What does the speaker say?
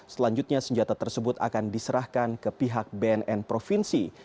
selanjutnya senjata tersebut akan diserahkan ke pihak bnn provinsi